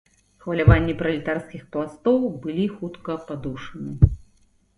Хваляванні пралетарскіх пластоў былі хутка падушаны.